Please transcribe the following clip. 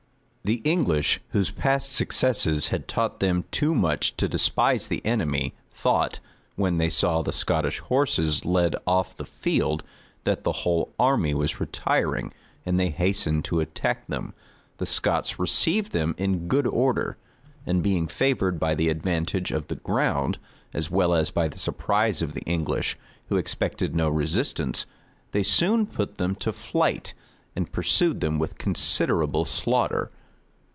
The English, whose past successes had taught them too much to despise the enemy, thought, when they saw the Scottish horses led off the field, that the whole army was retiring; and they hastened to attack them. The Scots received them in good order; and being favored by the advantage of the ground, as well as by the surprise of the English, who expected no resistance, they soon put them to flight, and pursued them with considerable slaughter.